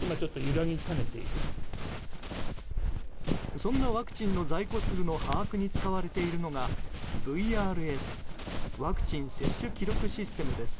そんなワクチンの在庫数の把握に使われているのがＶＲＳ・ワクチン接種記録システムです。